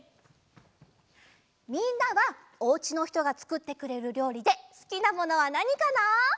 みんなはおうちのひとがつくってくれるりょうりですきなものはなにかな？